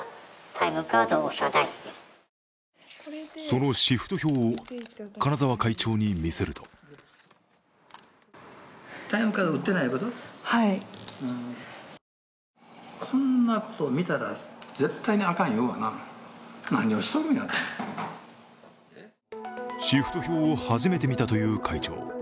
そのシフト表を金沢会長に見せるとシフト表を初めて見たという会長。